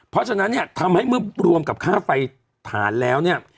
เพราะฉะนั้นเนี่ยทำให้เมื่อรวมกับค่าไฟฐานแล้วเนี่ย